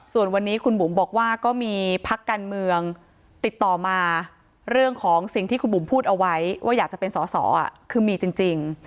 ส่วนวันนี้คุณบุ๋มบอกว่าก็มีพักการเมืองติดต่อมาเรื่องของสิ่งที่คุณบุ๋มพูดเอาไว้ว่าอยากจะเป็นสอสอคือมีจริง